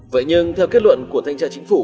vậy nhưng theo kết luận của thanh tra chính phủ